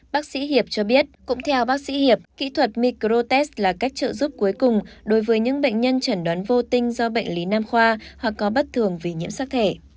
bác sĩ hiệp cho biết cũng theo bác sĩ hiệp kỹ thuật microtes là cách trợ giúp cuối cùng đối với những bệnh nhân chẩn đoán vô tinh do bệnh lý nam khoa hoặc có bất thường vì nhiễm sắc thể